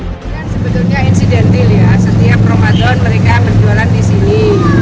sebenarnya insidentil ya setiap ramadan mereka berjualan di sini